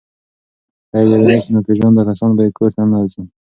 دی وېرېده چې ناپېژانده کسان به یې کور ته ننوځي.